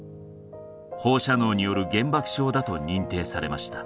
放射能による原爆症だと認定されました